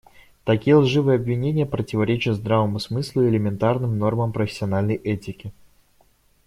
Такие лживые обвинения противоречат здравому смыслу и элементарным нормам профессиональной этики.